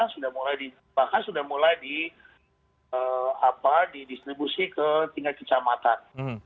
sudah mulai di bahkan sudah mulai di distribusi ke tiga kecamatan